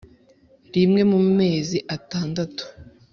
rimwe mu mezi atandatu